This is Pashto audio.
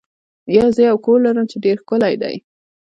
زه یو کور لرم چې ډیر ښکلی دی.